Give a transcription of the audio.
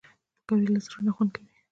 پکورې له زړه نه خوند کوي